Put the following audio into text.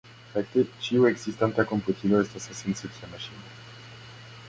Fakte, ĉiu ekzistanta komputilo estas esence tia maŝino.